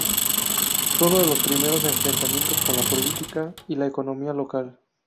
Fue uno de los primeros enfrentamientos con la política y la economía local.